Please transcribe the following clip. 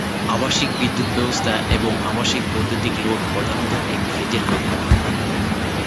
আবাসিক বিদ্যুৎ ব্যবস্থা এবং আবাসিক বৈদ্যুতিক লোড প্রধানত এক-ফেজের হয়ে থাকে।